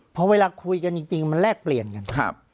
พอเวลาคุยกันจริงมันแลกเปลี่ยนกัน